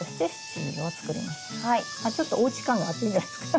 ちょっとおうち感があっていいんじゃないですか。